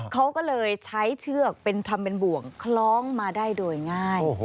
เขาก็เลยใช้เชือกทำเป็นบ่วงคล้องมาได้โดยง่าย